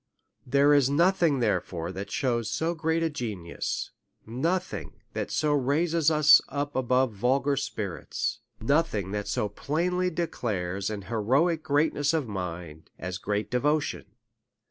There is no thing therefore that shews so great a genius, nothing that so raises us above vulgar spirits, nothing that so plainly declares an heroic greatness of mind, as great devotion.